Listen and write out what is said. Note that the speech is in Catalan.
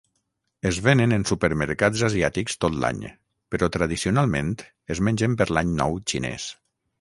Es venen en supermercats asiàtics tot l'any, però tradicionalment es mengen per l'Any Nou Xinès.